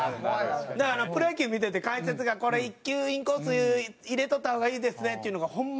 だからプロ野球見てて解説が「これ１球インコース入れとった方がいいですね」っていうのがホンマ